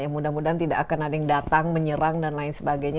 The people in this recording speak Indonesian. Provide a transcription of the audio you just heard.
mudah mudahan tidak akan ada yang datang menyerang dan lain sebagainya